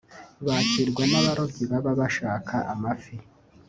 Bakirwa n’abarobyi baba bashaka amafi